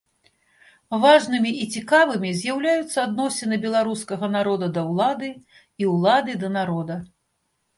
Важнымі і цікавымі з'яўляюцца адносіны беларускага народа да ўлады і ўлады да народа.